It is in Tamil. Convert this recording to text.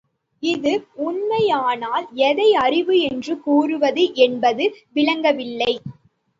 இஃது உணைமையானால் எதை அறிவு என்று கூறுவது என்பது விளங்கவில்லை.